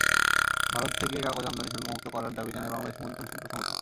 ভারত থেকে কাগজ আমদানি শুল্কমুক্ত করার দাবি জানায় বাংলাদেশ মুদ্রণ শিল্প সমিতি।